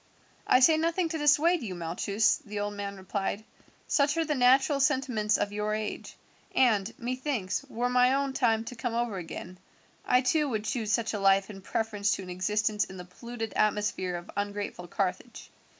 "I say nothing to dissuade you, Malchus," the old man replied, "such are the natural sentiments of your age; and methinks, were my own time to come over again, I too would choose such a life in preference to an existence in the polluted atmosphere of ungrateful Carthage.